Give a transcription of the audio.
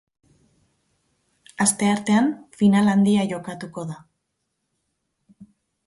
Asteartean final handia jokatuko da.